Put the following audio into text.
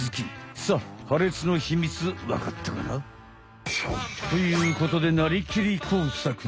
さあはれつのひみつわかったかな？ということで「なりきり！工作！」。